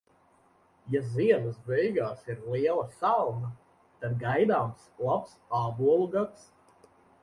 Ja ziemas beigās ir liela salna, tad gaidāms labs ābolu gads.